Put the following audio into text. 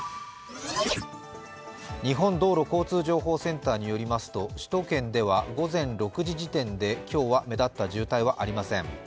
日本道路交通情報センターによりますと首都圏では午前６時時点で今日は目立った渋滞はありません。